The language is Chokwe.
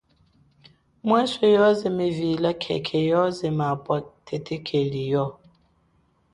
Mweswe yoze mevila khekhe yoze mapwa thethekeli yo.